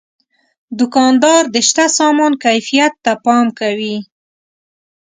دوکاندار د شته سامان کیفیت ته پام کوي.